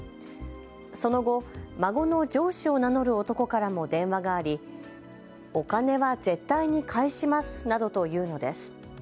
その後、孫の上司を名乗る男からも電話がありお金は絶対に返しますなどと言うのです。